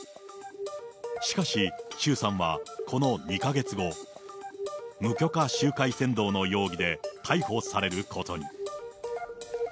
しかし、周さんはこの２か月後、無許可集会扇動の容疑で逮捕されることに。